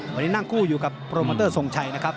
วันนี้นั่งคู่อยู่กับโปรโมเตอร์ทรงชัยนะครับ